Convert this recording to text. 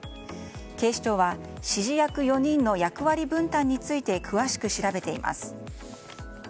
警視庁は指示役４人の役割分担について詳しく調べています。